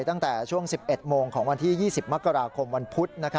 ตั้งแต่ช่วง๑๑โมงของวันที่๒๐มกราคมวันพุธ